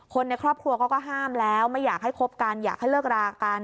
ในครอบครัวเขาก็ห้ามแล้วไม่อยากให้คบกันอยากให้เลิกรากัน